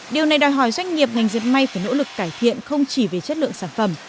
điều này đòi hỏi doanh nghiệp ngành dệt may phải nỗ lực cải thiện không chỉ về chất lượng sản phẩm